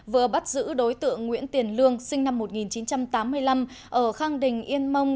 vừa bắt giữ đối tượng nguyễn tiền lương sinh năm một nghìn chín trăm tám mươi năm ở khang đình yên mông